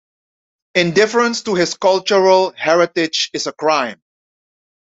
Indifference to his cultural heritage is a crime.